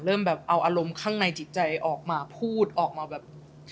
เริ่มแบบเอาอารมณ์ข้างในจิตใจออกมาพูดออกมาแบบ